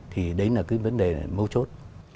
thì đấy là cái vấn đề mâu chốt